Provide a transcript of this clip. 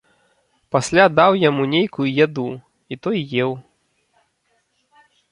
Пасля даў яму нейкую яду, і той еў.